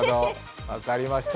分かりました。